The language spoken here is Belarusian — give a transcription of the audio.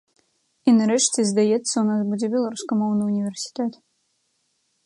І, нарэшце, здаецца, у нас будзе беларускамоўны універсітэт.